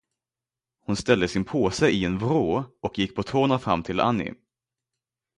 Hon ställde sin påse i en vrå och gick på tårna fram till Anni.